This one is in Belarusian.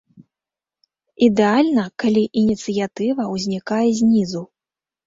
Ідэальна, калі ініцыятыва ўзнікае знізу.